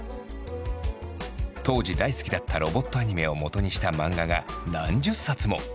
当時大好きだったロボットアニメをもとにした漫画が何十冊も。